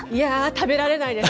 食べられないです。